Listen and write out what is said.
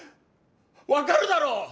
分かるだろう！？